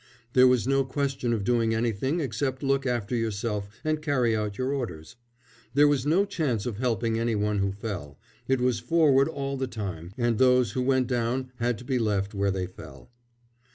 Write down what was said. There was no question of doing anything except look after yourself and carry out your orders; there was no chance of helping any one who fell it was forward all the time, and those who went down had to be left where they fell.